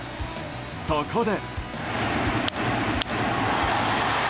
そこで。